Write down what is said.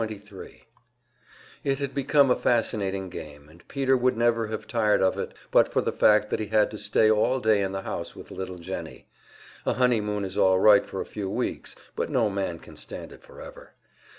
Section 23 It had become a fascinating game, and Peter would never have tired of it, but for the fact that he had to stay all day in the house with little Jennie. A honeymoon is all right for a few weeks, but no man can stand it forever.